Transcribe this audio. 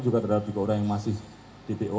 juga terhadap tiga orang yang masih dpo